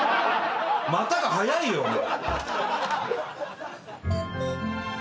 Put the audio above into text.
「また」が早いよお前。